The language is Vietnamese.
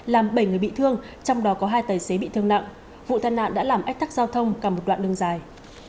làm bảy người bị thương trong đó có hai tài xế bị thương nặng vụ tai nạn đã làm ách tắc giao thông cả một đoạn đường dài